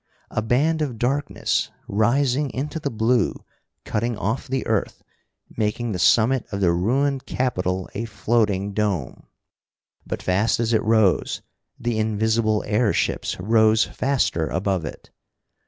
A band of darkness, rising into the blue, cutting off the earth, making the summit of the ruined Capitol a floating dome. But, fast as it rose, the invisible airships rose faster above it.